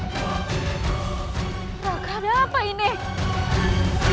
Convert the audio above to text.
putra kukian santang